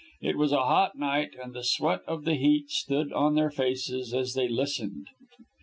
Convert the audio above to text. It was a hot night, and the sweat of the heat stood on their faces as they listened.